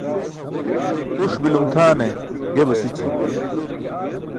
Huṣ bi̇lum tʰaana ge basi̇ći̇.